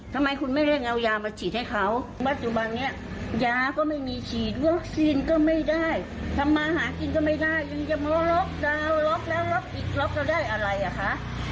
ทำไมคุณไม่เร่งเอายามาฉีดให้เขาปัจจุบันนี้ยาก็ไม่มีฉีดวัคซีนก็ไม่ได้ทำมาหากินก็ไม่ได้ยังจะมาล็อกดาวน์ล็อกแล้วล็อกอีกล็อกเราได้อะไรอ่ะคะ